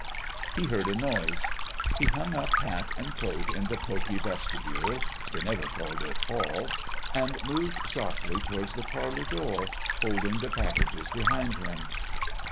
He heard a noise. He hung up hat and coat in the pokey vestibule (they never called it "hall") and moved softly towards the parlour door, holding the packages behind him.